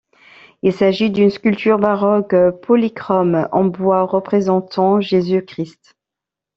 Il s'agit d'une sculpture baroque polychrome en bois représentant Jésus-Christ.